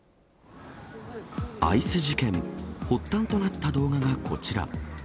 アイス事件、発端となった動画がこちら。